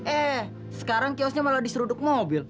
eh sekarang kiosnya malah diseruduk mobil